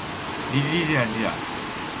Gujjo wujji bijji ɗiɗi der hoggo.